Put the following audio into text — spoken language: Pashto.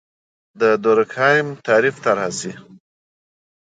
د دورکهايم تعریف طرحه سي.